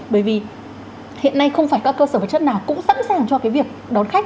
bởi vì hiện nay không phải các cơ sở vật chất nào cũng sẵn sàng cho cái việc đón khách